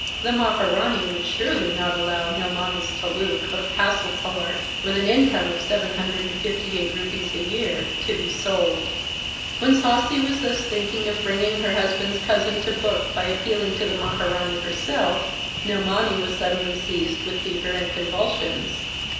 The Maharani would surely not allow Nilmani's taluk of Hasilpur, with an income of seven hundred and fifty eight rupees a year, to be sold. The Viceroy. Land. When Sasi was thus thinking of bringing her husband's cousin to book by appealing to the Maharani herself, Nilmani was suddenly seized with fever and convulsions.